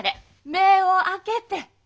目を開けて。